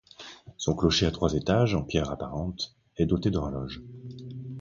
Son clocher à trois étages, en pierres apparentes, est doté d'horloges.